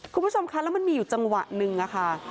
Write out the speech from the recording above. คุณผู้ชมคะแล้วมันมีอยู่จังหวะหนึ่งค่ะ